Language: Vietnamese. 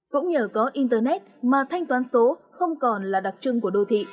cũng nhờ có internet mà thanh toán số không còn là đặc trưng của đô thị